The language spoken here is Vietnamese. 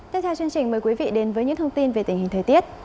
tiếp theo chương trình mời quý vị đến với những thông tin về tình hình thời tiết